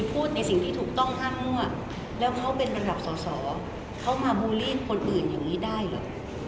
พูดในสิ่งที่ถูกต้อง๕มั่วแล้วเขาเป็นระดับสอสอเขามาบูลลี่คนอื่นอย่างนี้ได้เหรอ